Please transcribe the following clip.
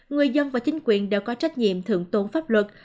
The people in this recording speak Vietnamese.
người dân và chính quyền đều có trách nhiệm thượng tôn pháp luật